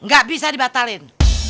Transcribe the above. gak bisa dibatalin